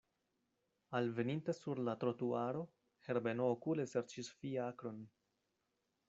Alveninte sur la trotuaro, Herbeno okule serĉis fiakron.